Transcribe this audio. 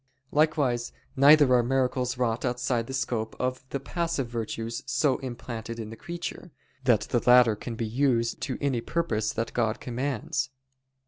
Likewise neither are miracles wrought outside the scope of the passive virtues so implanted in the creature, that the latter can be used to any purpose that God commands.